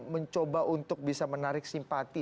mencoba untuk bisa menarik simpati